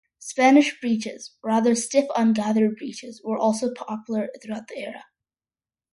Spanish breeches, rather stiff ungathered breeches, were also popular throughout the era.